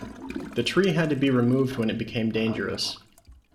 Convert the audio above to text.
The tree had to be removed when it became dangerous.